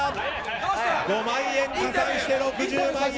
５万円加算して６０万円。